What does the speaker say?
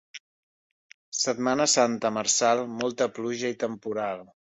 Setmana Santa marçal, molta pluja i temporal.